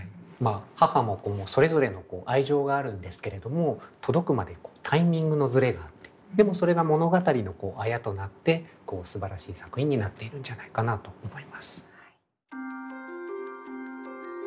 母も子もそれぞれの愛情があるんですけれども届くまでタイミングのズレがあってでもそれが物語のあやとなってすばらしい作品になっているんじゃないかなと思います。